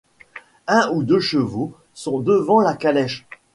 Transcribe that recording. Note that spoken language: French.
un ou deux chevaux sont devant la calèche